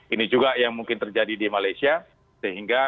ini juga yang mungkin terjadi di malaysia